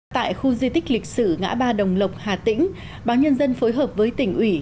tại khu di tích lịch sử ngã ba đồng lộc hà tĩnh báo nhân dân phối hợp với tỉnh ủy